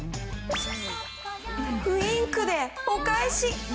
ウィンクでお返し！